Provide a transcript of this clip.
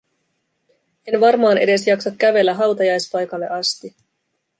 En varmaan edes jaksa kävellä hautajaispaikalle asti.